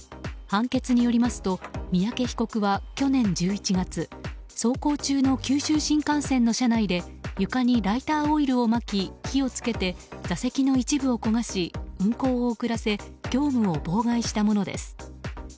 判決によりますと三宅被告は去年１１月走行中の九州新幹線の車内で床にライターオイルをまき火を付けて座席の一部を焦がし運行を遅らせ業務を妨害したものです。